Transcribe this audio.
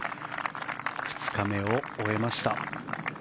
２日目を終えました。